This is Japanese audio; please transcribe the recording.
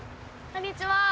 こんにちは。